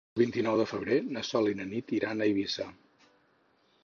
El vint-i-nou de febrer na Sol i na Nit iran a Eivissa.